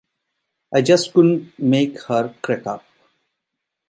'I just couldn't make her crack up.